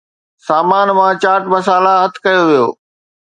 سامان مان چاٽ مسالا هٿ ڪيو ويو